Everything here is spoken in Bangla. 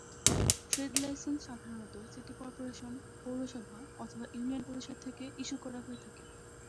ট্রেড লাইসেন্স সাধারনত সিটি কর্পোরেশন, পৌরসভা অথবা ইউনিয়ন পরিষদ থেকে ইস্যু করা হয়ে থাকে।